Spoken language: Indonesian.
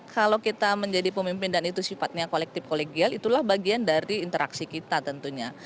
kalau kita menjadi pemimpin dan itu sifatnya kolektif kolegial itulah bagian dari interaksi kita tentunya